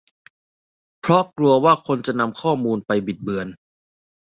เพราะกลัวว่าคนจะนำข้อมูลไปบิดเบือน